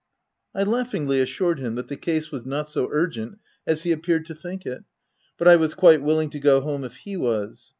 I laughingly assured him that the case w T as not so urgent as he appeared to think it, but I was quite willing to go home if he was.